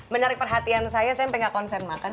menarik perhatian saya sampai gak konsen makan